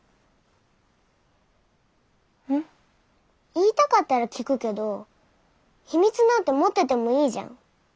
言いたかったら聞くけど秘密なんて持っててもいいじゃん。